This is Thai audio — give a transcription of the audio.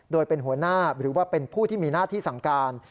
โดยเป็นหัวหน้าหรือว่าเป็นผู้ที่มีหน้าที่สั่งการ